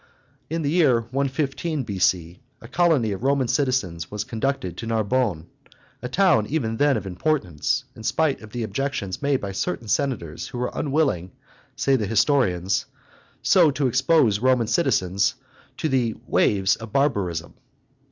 In the year 115 B.C. a colony of Roman citizens was conducted to Narbonne, a town even then of importance, in spite of the objections made by certain senators who were unwilling, say the historians, so to expose Roman citizens "to the waves of barbarism."